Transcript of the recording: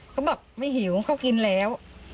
เขาบอกไม่หิวเขากินแล้ว